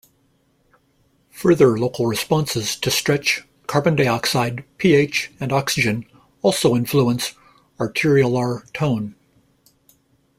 Further local responses to stretch, carbon dioxide, pH, and oxygen also influence arteriolar tone.